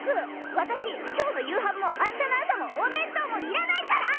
私今日の夕飯も明日の朝もお弁当もいらないから！